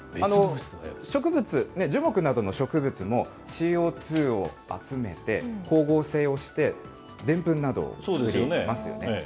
植物、樹木などの植物も、ＣＯ２を集めて、光合成をして、でんぷんなどを作りますよね。